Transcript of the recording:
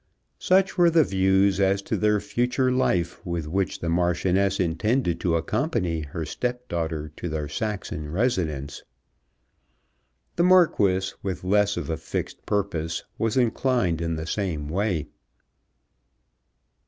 Such were the views as to their future life with which the Marchioness intended to accompany her stepdaughter to their Saxon residence. The Marquis, with less of a fixed purpose, was inclined in the same way.